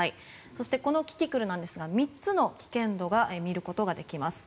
そして、このキキクルなんですが３つの危険度を見ることができます。